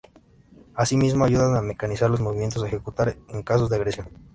Asimismo, ayudan a mecanizar los movimientos a ejecutar en caso de agresión.